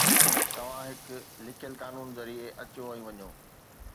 توهان هڪ لکيل قانون ذريعي اچو ۽ وڃو